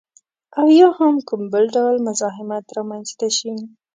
او یا هم کوم بل ډول مزاحمت رامنځته شي